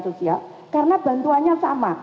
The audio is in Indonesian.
sosial karena bantuanya sama